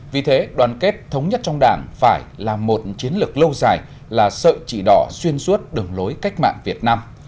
vì thế đoàn kết thống nhất trong đảng phải là một chiến lược lâu dài là sợi chỉ đỏ xuyên suốt đường lối cách mạng việt nam